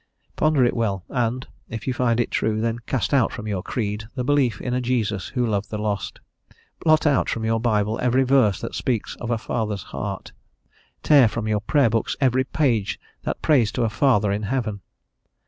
Ponder it well, and, if you find it true, then cast out from your creed the belief in a Jesus who loved the lost; blot out from your Bible every verse that speaks of a Father's heart; tear from your Prayer books every page that prays to a Father in heaven.